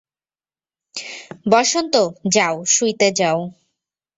বসন্ত, যাও, শুইতে যাও।